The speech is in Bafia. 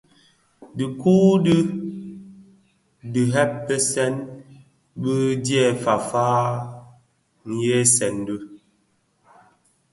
Dhiku di dhibèsèn din dyè faafa nghiesèn bi.